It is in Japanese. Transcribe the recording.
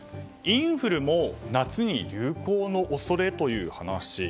インフルも夏に流行の恐れ？という話。